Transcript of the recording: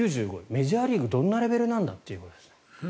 メジャーリーグどんなレベルなんだってことですよね。